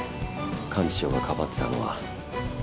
幹事長がかばってたのは。